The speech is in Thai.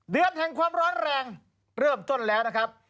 เดือนแห่งความร้อนแรงเริ่มต้นแล้วนะครับ